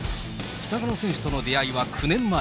北園選手との出会いは９年前。